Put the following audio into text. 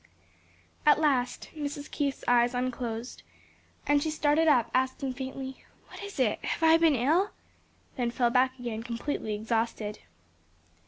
At last Mrs. Keith's eyes unclosed and she started up asking faintly "What is it? have I been ill?" then fell back again completely exhausted.